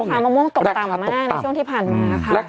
มะม่วงตกต่ำมากในช่วงที่ผ่านมาค่ะ